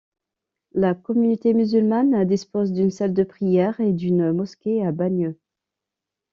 La communauté musulmane dispose d'une salle de prière et d'une mosquée à Bagneux.